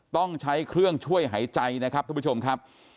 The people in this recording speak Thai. ต้องใช้เครื่องช่วยหายใจนะครับทุกผู้ชมครับ